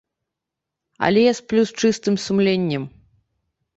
Але я сплю з чыстым сумленнем.